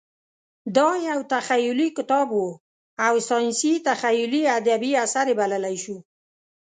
دا یو تخیلي کتاب و او ساینسي تخیلي ادبي اثر یې بللی شو.